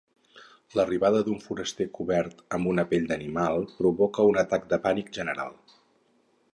L'arribada d'un foraster cobert amb una pell d'animal provoca un atac de pànic general.